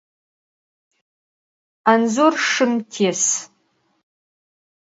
Anzor şşım tês.